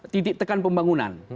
titik tekan pembangunan